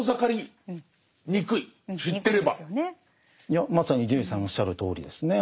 いやまさに伊集院さんのおっしゃるとおりですね。